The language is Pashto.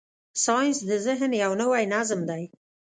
ساینس د ذهن یو نوی نظم دی.